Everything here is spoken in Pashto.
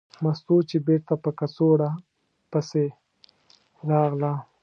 مستو چې بېرته په کڅوړه پسې راغله.